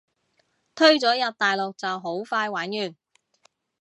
推咗入大陸就好快玩完